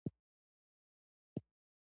آیا کیمیا علیزاده په تکواندو کې مډال ونه ګټه؟